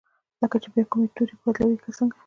لکه چې بیا کوم توری بدلوي که څنګه؟